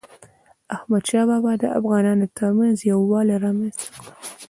احمدشاه بابا د افغانانو ترمنځ یووالی رامنځته کړ.